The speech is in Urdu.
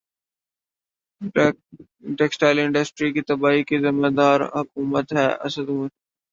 ٹیکسٹائل انڈسٹری کی تباہی کی ذمہ دار حکومت ہے اسد عمر